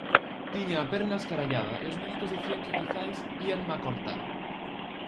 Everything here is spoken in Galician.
Tiña a perna escarallada e os médicos dicían que quizais íanma cortar.